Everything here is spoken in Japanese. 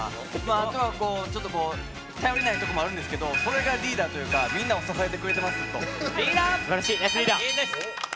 あとは、頼りないとこもあるんですけどそれがリーダーでもあるんですがみんなを支えてくれてます。